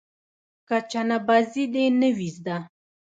که چنه بازي دې نه وي زده.